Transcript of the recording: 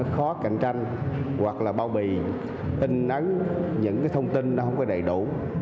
khó cạnh tranh hoặc là bao bì tinh nắng những thông tin nó không đầy đủ